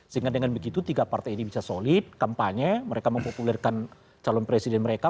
sehingga dengan begitu tiga partai ini bisa solid kampanye mereka mempopulerkan calon presiden mereka